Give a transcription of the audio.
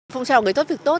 phong trào người tốt việc tốt